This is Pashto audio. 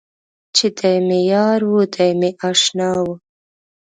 چې دی مې یار و دی مې اشنا و.